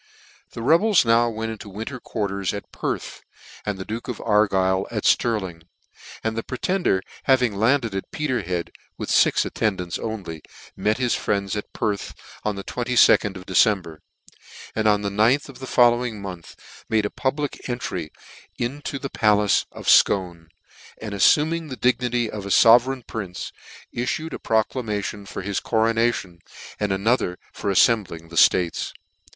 The rebels now went into winter quarters at Perth, and the duke of Argyle at Stirling; and the Pretender having landed at Peterhead, with fix attendants only, met his friends at Perth on the 22d of December ; and on the ninth of the follow ing month made a public entry into the palace of JScone, and afiuming the dignity of a iovereign prince, ifTued a proclamation for his coronation, and another for afTembling the ftates.